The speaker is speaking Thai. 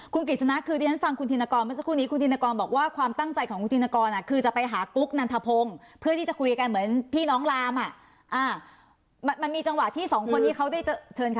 คุณกฤษณะคือที่ฉันฟังคุณธินกรเมื่อสักครู่นี้คุณธินกรบอกว่าความตั้งใจของคุณธินกรคือจะไปหากุ๊กนันทพงศ์เพื่อที่จะคุยกันเหมือนพี่น้องลามอ่ะมันมีจังหวะที่สองคนที่เขาได้เจอเชิญค่ะ